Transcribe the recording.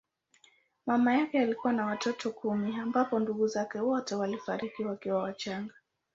Mama yake alikuwa na watoto kumi ambapo ndugu zake wote walifariki wakiwa wachanga.